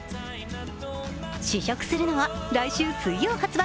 試食するのは来週水曜発売